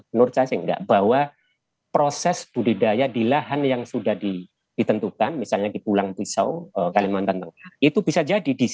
menurut saya sehingga bahwa proses budidaya di lahan yang sudah ditentukan misalnya di pulang pisau kalimantan itu bisa jadi di situ prosesnya bisa full mekanik gitu ya